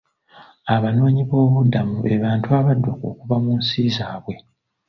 Abanoonyiboobubudamu be bantu abadduka okuva mu nsi zaabwe..